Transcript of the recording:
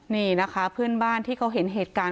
นี่นะคะเพื่อนบ้านที่เขาเห็นเหตุการณ์